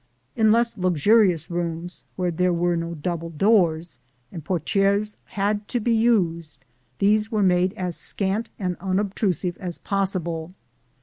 In less luxurious rooms, where there were no double doors, and portières had to be used, these were made as scant and unobtrusive as possible.